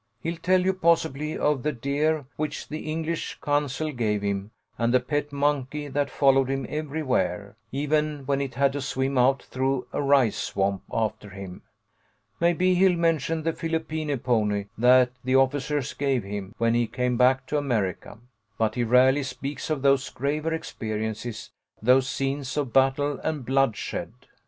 He'll tell you possibly of the deer which the English consul gave him, and the pet monkey that followed him every where, even when it had to swim out through a rice swamp after him ; maybe he'll mention the Filipino pony that the officers gave him when he came back to America, but he rarely speaks of those graver experiences, those scenes of battle and bloodshed."